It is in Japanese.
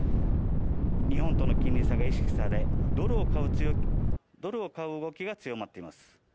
日本との金利差が意識され、ドルを買う動きが強まっています。